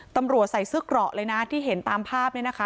ตำรวจใส่เสื้อเกราะเลยนะที่เห็นตามภาพเนี่ยนะคะ